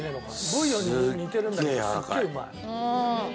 ブイヨンに似てるんだけどすっげえうまい。